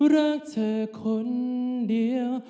รักเธอคนเดียว